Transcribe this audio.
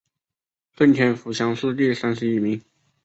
顺天府乡试第三十一名。